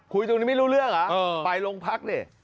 คุยจังจะไม่รู้เรื่องหรอไปโรงพักโดย